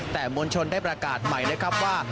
แต่มวลชนได้ประกาศใหม่นะครับว่า